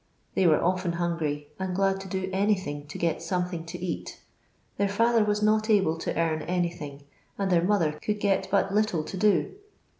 They were ofUn hungry, and glad to do anything to get something to eat. Their father was not able to earn anything, and their mother could get but little to do.